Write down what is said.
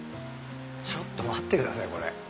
ちょっと待ってくださいこれ。